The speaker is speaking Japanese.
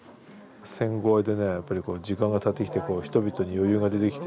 戦後でねやっぱり時間がたってきてこう人々に余裕が出てきて。